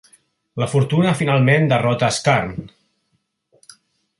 La fortuna finalment derrota Scarn.